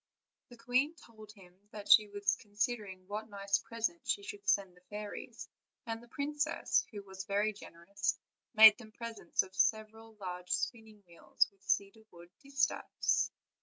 The queen told him that she was considering what nice present she should send the fairies; and the princess, who was very generous, made them presents of several German spinning wheels, with cedarwood distaffs.